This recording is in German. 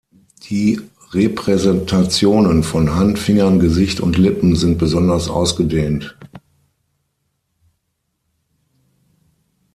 Die Repräsentationen von Hand, Fingern, Gesicht und Lippen sind besonders ausgedehnt.